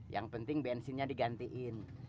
yang penting bensinnya digantiin